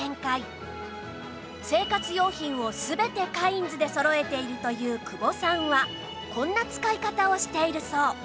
生活用品を全てカインズでそろえているという久保さんはこんな使い方をしているそう